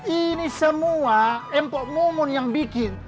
ini semua empo mumun yang bikin